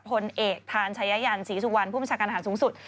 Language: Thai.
พลเอกทานชายันศรีสุวรรณผู้บัญชาการทหารสูงสุด